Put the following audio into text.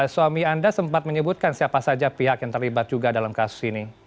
suami anda sempat menyebutkan siapa saja pihak yang terlibat juga dalam kasus ini